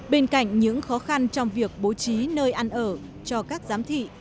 bên cạnh những khó khăn trong việc bố trí nơi ăn ở cho các giám thị